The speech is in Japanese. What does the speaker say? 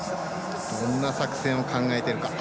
どんな作戦を考えているか。